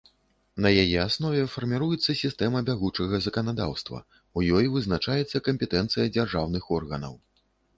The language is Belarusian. На яе аснове фарміруецца сістэма бягучага заканадаўства, у ёй вызначаецца кампетэнцыя дзяржаўных органаў.